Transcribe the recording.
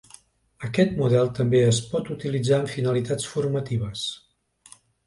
Aquest model també es pot utilitzar amb finalitats formatives.